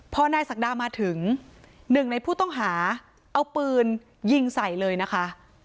พอนายศักดามาถึงหนึ่งในผู้ต้องหาเอาปืนยิงใส่เลยนะคะ